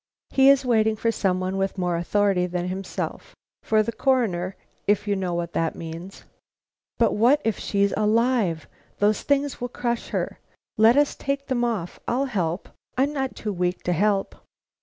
"He is waiting for some one with more authority than himself; for the Coroner, if you know what that means." "But what if she's alive! Those things will crush her. Let us take them off. I'll help. I'm not too weak to help."